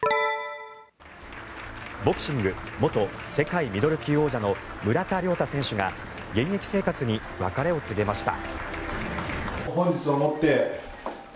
ボクシング元世界ミドル級王者の村田諒太選手が現役生活に別れを告げました。